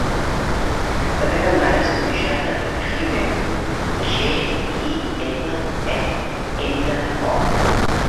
La meva mare es diu Janat Gimeno: ge, i, ema, e, ena, o.